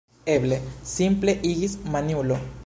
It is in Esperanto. Eble, simple agis maniulo!